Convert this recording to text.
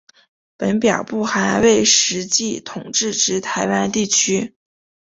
本表不含未实际统治之台湾地区。